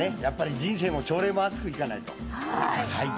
人生も朝礼も熱くいかないと。